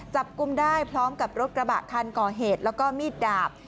จับกลุ่มได้พร้อมกับรถกระบะคันก่อเหตุแล้วก็มีดดาบ